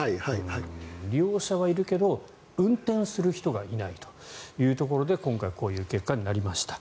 利用者はいるけど運転する人がいないというところで今回こういう結果になりました。